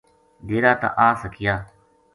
ڈیرا تا نہ آسکیا